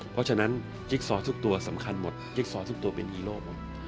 เพราะฉะนั้นจิ๊กซอทุกตัวสำคัญหมดจิ๊กซอทุกตัวเป็นฮีโร่หมด